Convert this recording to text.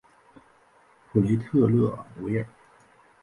普雷特勒维尔。